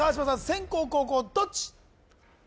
先攻後攻どっち？